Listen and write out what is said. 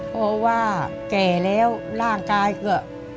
เพราะว่าแก่แล้วร่างกายก็